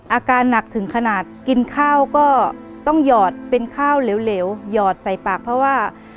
อาการหนักถึงขนาดกินข้าวก็ต้องหยอดเป็นข้าวเหลวหยอดใส่ปากเพราะว่า